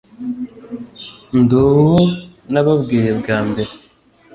ndi uwo nababwiye bwa mbere.